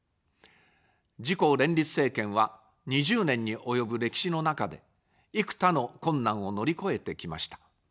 自公連立政権は、２０年に及ぶ歴史の中で、幾多の困難を乗り越えてきました。